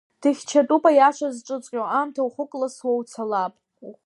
Дыхьчатәуп аиаша зҿыҵҟьо, аамҭа ухыкәласуа уцала.